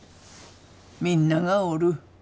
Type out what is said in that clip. みんながおる。